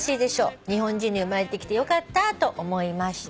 「日本人に生まれてきて良かったと思いました」